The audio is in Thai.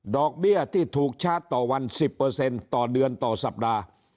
เบี้ยที่ถูกชาร์จต่อวัน๑๐ต่อเดือนต่อสัปดาห์